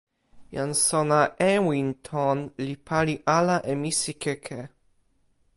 jan sona Ewinton li pali ala e misikeke.